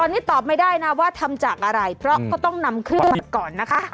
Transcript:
ตอนนี้ตอบไม่ได้นะว่าทำจากอะไรเพราะก็ต้องนำเครื่องมาก่อนนะคะ